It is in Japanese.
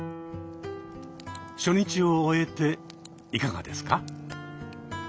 初日を終えていかがですか？